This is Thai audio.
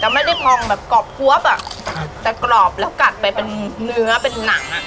ไม่ได้พองแบบกรอบควบอ่ะแต่กรอบแล้วกัดไปเป็นเนื้อเป็นหนังอ่ะ